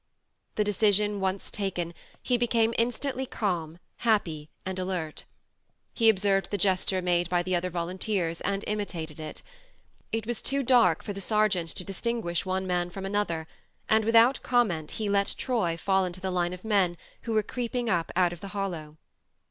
The decision once taken, he became instantly calm, happy and alert. He observed the gesture made by the other volunteers and imitated it. It was too dark for the sergeant to distinguish one man from another, and without comment he let Troy fall into the line of men who were creeping up out of the hollow.